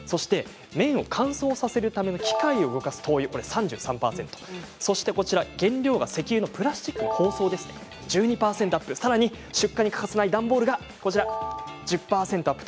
麺を乾燥させるための機械を動かす灯油が３３％原料は石油のプラスチック包装です、１２％アップ出荷に欠かせない段ボールが１０％アップ